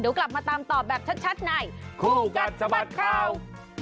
เดี๋ยวกลับมาตามตอบแบบชัดในคู่กัดสะบัดข่าว